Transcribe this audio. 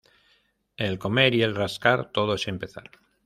El comer y el rascar, todo es empezar